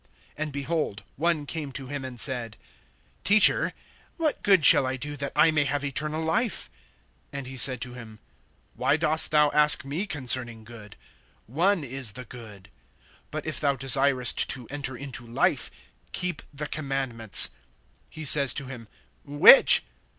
(16)And, behold, one came to him and said: Teacher, what good shall I do, that I may have eternal life? (17)And, he said to him: Why dost thou ask me concerning good? One is the Good. But if thou desirest to enter into life, keep the commandments. (18)He says to him, Which?